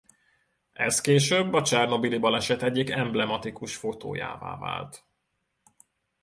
Ez később a csernobili baleset egyik emblematikus fotójává vált.